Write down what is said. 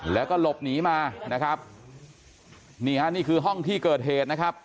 แล้วก็หลบหนีมานะครับนี่ฮะนี่คือห้องที่เกิดเหตุนะครับ